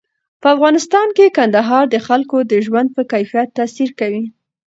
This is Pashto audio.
په افغانستان کې کندهار د خلکو د ژوند په کیفیت تاثیر کوي.